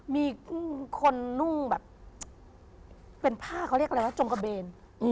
มีคนนุ่งแบบเป็นผ้าเขาเรียกอะไรนะจงกระเบน